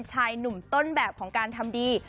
ชายหนุ่มต้นแบบของการทำดี